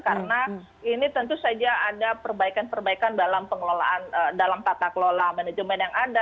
karena ini tentu saja ada perbaikan perbaikan dalam tata kelola manajemen yang ada